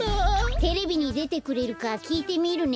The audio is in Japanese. テレビにでてくれるかきいてみるね。